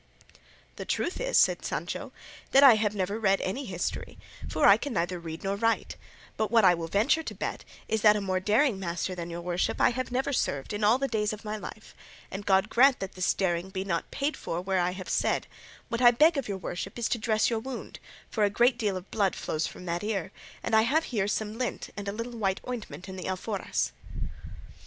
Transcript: "The truth is," answered Sancho, "that I have never read any history, for I can neither read nor write, but what I will venture to bet is that a more daring master than your worship I have never served in all the days of my life, and God grant that this daring be not paid for where I have said; what I beg of your worship is to dress your wound, for a great deal of blood flows from that ear, and I have here some lint and a little white ointment in the alforjas."